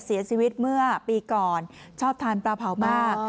เสียชีวิตเมื่อปีก่อนชอบทานปลาเผามาก